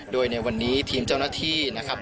โดยในวันนี้ทีมเจ้าหน้าที่นะครับ